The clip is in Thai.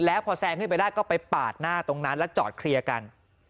แล้วพอแซงขึ้นไปได้ก็ไปปาดหน้าตรงนั้นแล้วจอดเคลียร์กัน